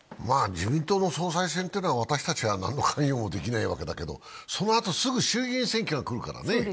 自民党の総裁選というのは私たちは何の関与もできないわけだけどそのあとすぐ衆議院選挙が来るからね。